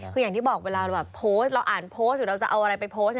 คืออย่างที่บอกเวลาแบบโพสต์เราอ่านโพสต์หรือเราจะเอาอะไรไปโพสต์